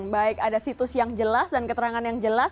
baik ada situs yang jelas dan keterangan yang jelas